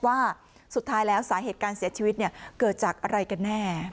ว่าสุดท้ายแล้วสาเหตุการเสียชีวิตเกิดจากอะไรกันแน่